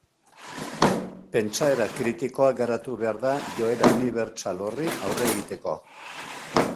Pentsaera kritikoa garatu behar da joera unibertsal horri aurre egiteko.